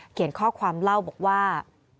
เขียนข้อความเล่าบอกว่า